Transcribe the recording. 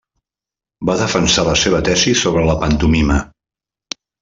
Va defensar la seva tesi sobre la pantomima.